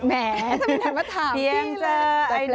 แหมทำไมถึงมาถามพี่เลย